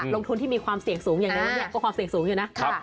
ลงทุนที่มีความเสี่ยงสูงอย่างนั้นวันนี้ก็ความเสี่ยงสูงอยู่นะ